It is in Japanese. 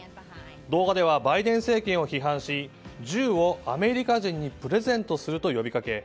動画では、バイデン政権を批判し銃をアメリカ人にプレゼントすると呼びかけ